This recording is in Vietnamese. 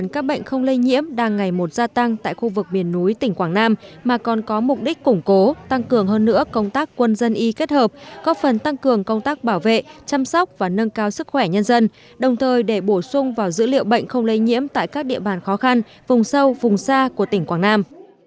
các bệnh không lây nhiễm đang ngày một gia tăng tại khu vực miền núi tỉnh quảng nam mà còn có mục đích củng cố tăng cường hơn nữa công tác quân dân y kết hợp góp phần tăng cường công tác bảo vệ chăm sóc và nâng cao sức khỏe nhân dân đồng thời để bổ sung vào dữ liệu bệnh không lây nhiễm tại các địa bàn khó khăn vùng sâu vùng xa của tỉnh quảng nam